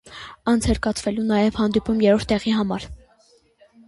Անց էր կացվելու նաև հանդիպում երրորդ տեղի համար։